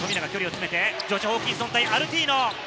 ジョシュ・ホーキンソン対アルティーノ。